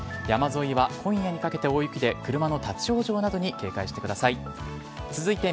山沿いは今夜にかけて車の立ち往生などに警戒してください。